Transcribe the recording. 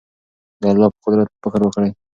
د الله په قدرت فکر وکړئ.